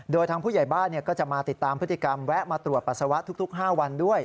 โดยทางผู้ใหญ่บ้านก็จะมาติดตามพฤติกรรมแวะมาตรวจปัสสาวะทุก๕วันด้วย